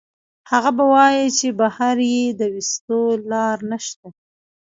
هغه به وائي چې بهر ئې د ويستو لار نشته